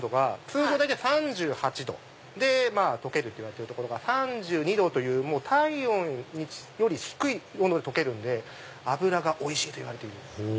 通常大体３８℃で溶けるっていわれてるところが３２℃という体温より低い温度で溶けるんで脂がおいしいといわれている。